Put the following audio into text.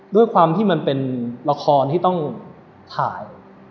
ด้วยความที่มันเป็นละครที่ต้องถ่าย